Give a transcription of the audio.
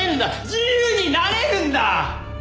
自由になれるんだ！